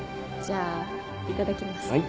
じゃあいただきます。